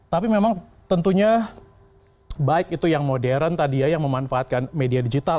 tapi memang tentunya baik itu yang modern tadi ya yang memanfaatkan media digital